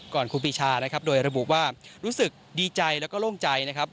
ครูปีชานะครับโดยระบุว่ารู้สึกดีใจแล้วก็โล่งใจนะครับ